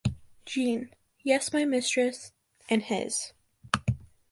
Jean. — Yes, my mistress... and his.